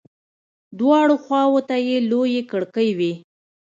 دواړو خواو ته يې لويې کړکۍ وې.